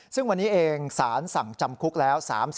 ซึ่งวันนี้เองสารสั่งจำคุกแล้ว